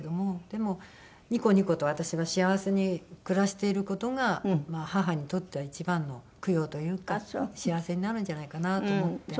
でもニコニコと私が幸せに暮らしている事がまあ母にとっては一番の供養というか幸せになるんじゃないかなと思って。